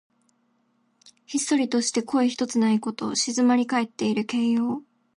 ひっそりとして声ひとつないこと。静まりかえっている形容。